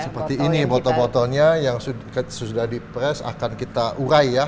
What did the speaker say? seperti ini botol botolnya yang sudah di press akan kita urai ya